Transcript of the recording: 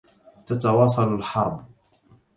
تتواصل الحرب.